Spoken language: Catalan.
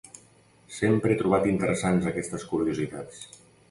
Sempre he trobat interessants aquestes curiositats.